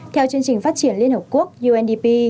theo chương trình phát triển liên hợp quốc undp